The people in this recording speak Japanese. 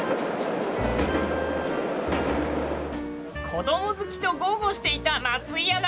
子ども好きと豪語していた松井アナ。